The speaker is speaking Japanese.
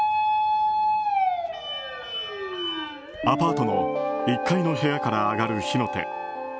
アパートの１階の部屋から上がる火の手。